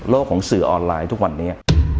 ของสื่อออนไลน์ทุกวันนี้